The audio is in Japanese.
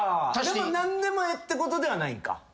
でも何でもええってことではないんか。